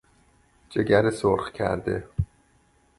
جگر سرخ کرده